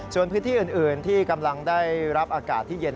ส่วนพื้นที่อื่นที่กำลังได้รับอากาศที่เย็น